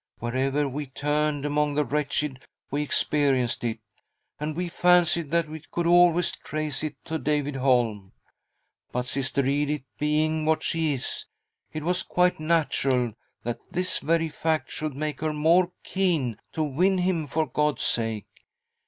Wherever we turned among the wretched we experienced it, and we fancied that we could always trace it to David Holm. But Sister Edith being what she is, it was quite natural that this very fact should make her more keen to win nim for God's sake.